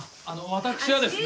私はですね。